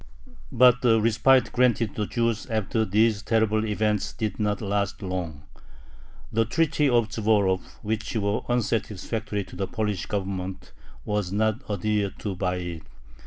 But the respite granted to the Jews after these terrible events did not last long. The Treaty of Zborov, which was unsatisfactory to the Polish Government, was not adhered to by it.